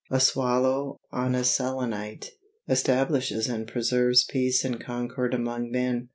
A swallow, on a celonite, establishes and preserves peace and concord among men.